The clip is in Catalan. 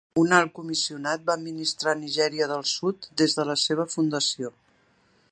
Un alt comissionat va administrar Nigèria del Sud des de la seva fundació.